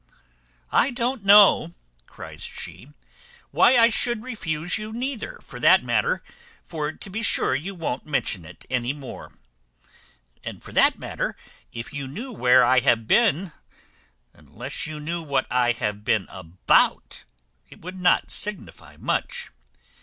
"I don't know," cries she, "why I should refuse you neither, for that matter; for to be sure you won't mention it any more. And for that matter, if you knew where I have been, unless you knew what I have been about, it would not signify much.